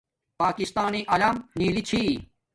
پاکستانݵ الم نلی چھی